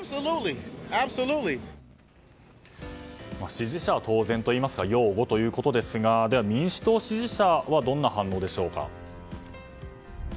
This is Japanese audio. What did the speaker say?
支持者は当然といいますか擁護ということですがでは民主党支持者はどんな反応でしょうか。